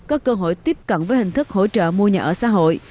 có cơ hội tiếp cận với hình thức hỗ trợ mua nhà ở xã hội